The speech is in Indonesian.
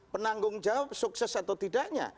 penanggung jawab sukses atau tidaknya